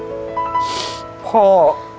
จะต้องเจ็บกว่าลูกหลายเท่านั้น